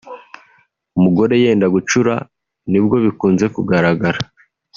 umugore yenda gucura nibwo bikunze kugaragara